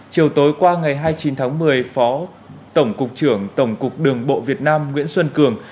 chiều tối qua ngày hai mươi chín tháng một mươi phó tổng cục trưởng tổng cục đường bộ việt nam nguyễn xuân cường